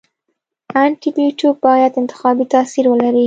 انټي بیوټیک باید انتخابي تاثیر ولري.